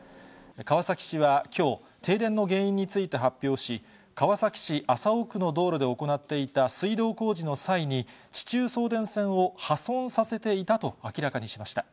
川崎市はきょう、停電の原因について発表し、川崎市麻生区の道路で行っていた水道工事の際に、地中送電線を破損させていたと明らかにしました。